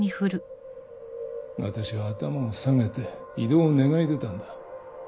私は頭を下げて異動を願い出たんだ。